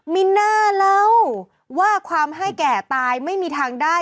มีน่าเล่าว่าความให้แก่ตายไม่มีทางได้